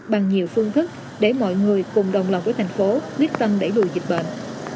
bằng nhiều phương thức để mọi người cùng đồng lòng với thành phố biết tâm đẩy đùa dịch bệnh